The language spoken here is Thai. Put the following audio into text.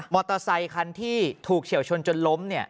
อเตอร์ไซคันที่ถูกเฉียวชนจนล้ม